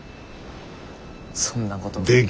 そんなことが。